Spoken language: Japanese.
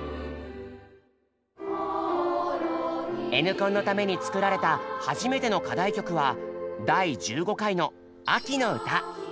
「Ｎコン」のために作られた初めての課題曲は第１５回の「秋の歌」。